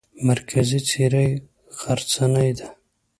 مرکزي څېره یې غرڅنۍ ده.